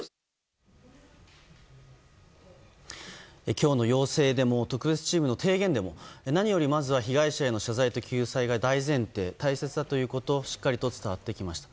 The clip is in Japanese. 今日の要請でも特別チームの提言でも何より、まずは被害者への謝罪と救済が大前提大切だということがしっかり伝わってきました。